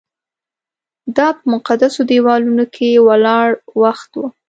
دا په مقدسو دیوالونو کې ولاړ وخت و.